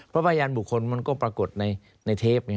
เพราะพยานบุคคลมันก็ปรากฏในเทป